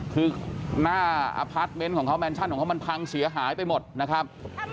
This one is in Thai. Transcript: คือหน้าแมนชั่นของเขามันพังเสียหายไปหมดนะครับ